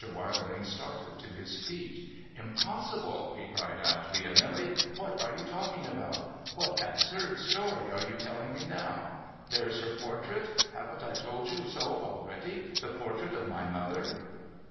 Wilding started to his feet. ' Impossible !' he cried out, vehemently. ' ^^'hat are you talking about ? ^V'hat absurd story are you telling me now? There's her portrait! Haven't I told you so already ? The portrait of my mother